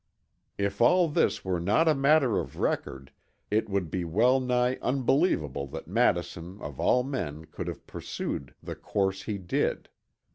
If all this were not a matter of record it would be well nigh unbelievable that Madison of all men could have pursued the course he did.